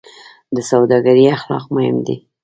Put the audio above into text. د سوداګرۍ اخلاق مهم دي